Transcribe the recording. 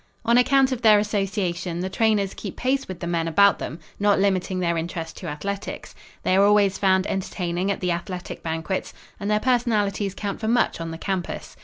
On account of their association, the trainers keep pace with the men about them; not limiting their interest to athletics. They are always found entertaining at the athletic banquets, and their personalities count for much on the campus.